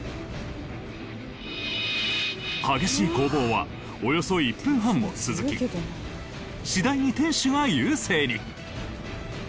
激しい攻防はおよそ１分半も続き次第に店主が優勢に。